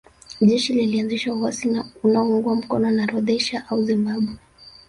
Jeshi lilianzisha uasi unaoungwa mkono na Rhodesia au Zimbabwe